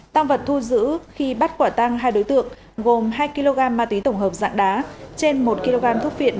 tăng vật thu giữ khi bắt quả tăng hai đối tượng gồm hai kg ma túy tổng hợp dạng đá trên một kg thuốc viện